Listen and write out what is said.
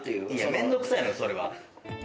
めんどくさいのよそれは。